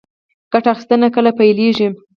ګټه اخیستنه کله پیلیږي؟